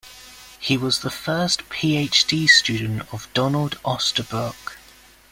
He was the first Ph.D. student of Donald Osterbrock.